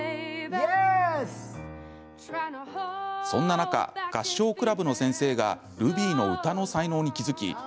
そんな中、合唱クラブの先生がルビーの歌の才能に気付き